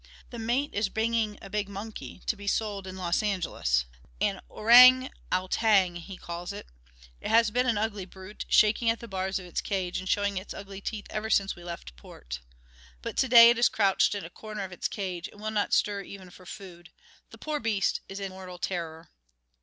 The mate is bringing a big monkey to be sold in Los Angeles. An orang outang, he calls it. It has been an ugly brute, shaking at the bars of its cage and showing its ugly teeth ever since we left port. But to day it is crouched in a corner of its cage and will not stir even for food. The poor beast is in mortal terror.